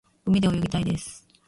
海で泳ぎたいです。